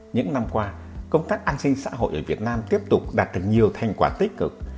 những năm qua công tác an sinh xã hội ở việt nam tiếp tục đạt được nhiều thành quả tích cực